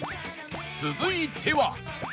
続いては